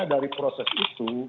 dari proses itu